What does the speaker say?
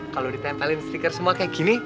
kalau ditempelin stiker semua kayak gini